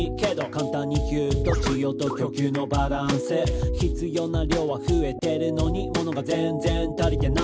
「カンタンに言うと需要と供給のバランス」「必要な量は増えてるのに物が全然足りてない！」